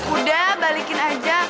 udah balikin aja